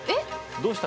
どうした？